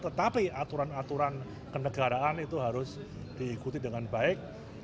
tetapi aturan aturan kenegaraan itu harus diikuti dengan baik